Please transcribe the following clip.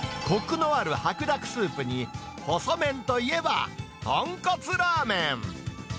こくのある白濁スープに、細麺といえば、とんこつラーメン。